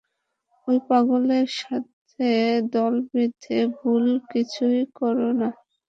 ওই পাগলের সাথে দল বেঁধে ভুল কিছু কোরো না।